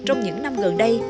trong những năm gần đây